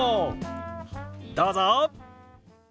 どうぞ！